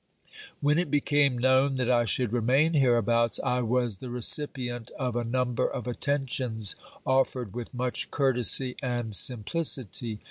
When it became known that I should remain hereabouts, I was the recipient of a number of attentions offered with much courtesy and simplicity.